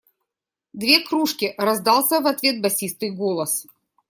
Две кружки! – раздался в ответ басистый голос.